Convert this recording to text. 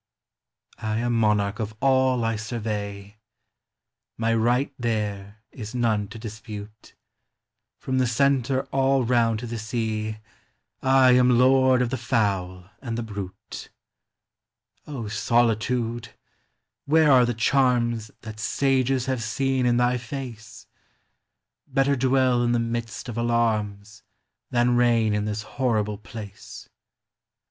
I am monarch of all T survey, — My right there is none to dispute; From the centre; all round to the sea, T am lord of the fowl and the brute. Solitude ! where are the charms That sages have seen in tby face ? Better dwell in the midst of alarms Than reign in this horrible place.